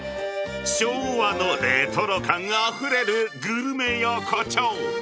昭和のレトロ感あふれるグルメ横丁。